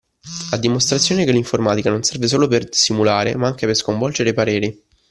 A dimostrazione che l'informatica non serve solo per simulare ma anche per sconvolgere pareri.